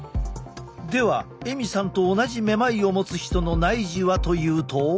ではエミさんと同じめまいを持つ人の内耳はというと。